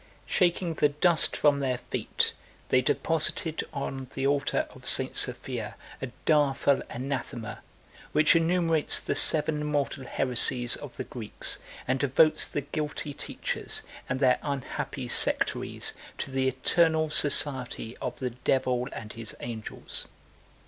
Shaking the dust from their feet, they deposited on the altar of St. Sophia a direful anathema, 10 which enumerates the seven mortal heresies of the Greeks, and devotes the guilty teachers, and their unhappy sectaries, to the eternal society of the devil and his angels.